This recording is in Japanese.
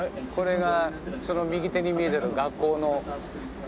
これがその右手に見える学校の。